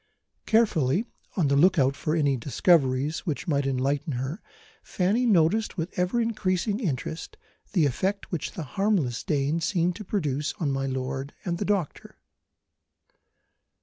Carefully on the look out for any discoveries which might enlighten her, Fanny noticed with ever increasing interest the effect which the harmless Dane seemed to produce on my lord and the doctor.